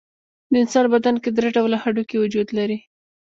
د انسان په بدن کې درې ډوله هډوکي وجود لري.